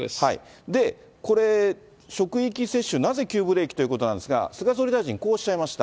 これ、職域接種、なぜ急ブレーキということなんですが、菅総理大臣、こうおっしゃいました。